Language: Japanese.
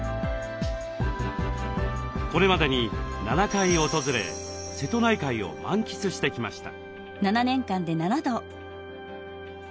これまでに７回訪れ瀬戸内海を満喫してきました。